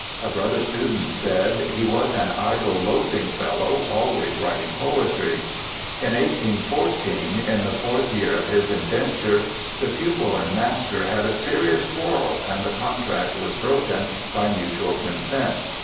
A brother student said, * he was an idle, loafing fellow, always writing poetry.' In 1814, in the fourth year of his indenture, the pupil and master had a serious quarrel, and the contract was broken by mutual consent.